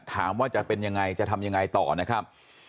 ว่าจะเป็นยังไงจะทำยังไงต่อนะครับ